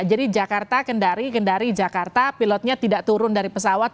jadi jakarta kendari kendari jakarta pilotnya tidak turun dari pesawat